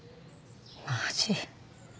マジ？